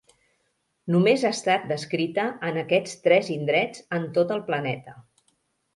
Només ha estat descrita en aquests tres indrets en tot el planeta.